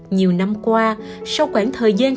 nhiều năm qua sau quãng thời gian khổ